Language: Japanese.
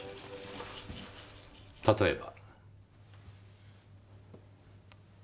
例えば。